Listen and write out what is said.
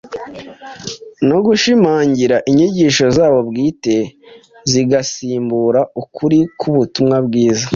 no gushimangira inyigisho zabo bwite zigasimbura ukuri k’ubutumwa bwiza.